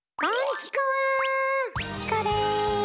チコです。